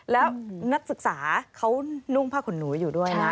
แล้วนักศึกษาเขานุ่งผ้าขนหนูอยู่ด้วยนะ